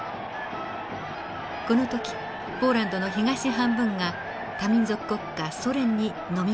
この時ポーランドの東半分が多民族国家ソ連にのみ込まれたのです。